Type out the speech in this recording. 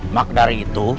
mak dari itu